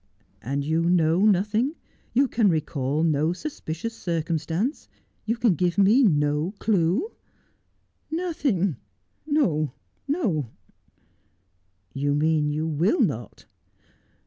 ' And you know nothing — you can recall no suspicious cir cumstance ? You can give me no clue ?'' Nothing — no — no.' ' You mean you will not.'